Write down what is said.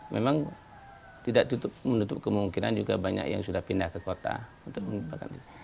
memang tidak menutup kemungkinan juga banyak yang sudah pindah ke kampung